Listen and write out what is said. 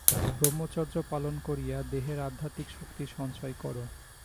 ব্রহ্মচর্য পালন করিয়া দেহে আধ্যাত্মিক শক্তি সঞ্চয় কর।